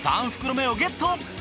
３袋目をゲット！